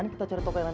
ibu sibuk kejahit